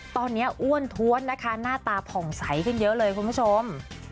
ตอนนี้อ้วนท้วนนะคะหน้าตาผ่องใสขึ้นเยอะเลยคุณผู้ชม